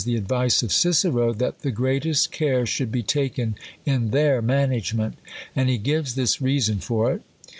the advice of Cicer® that the greatest care should be taken in their management. And he gives this reason for it.